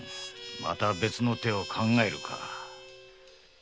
また別の手を考えるか。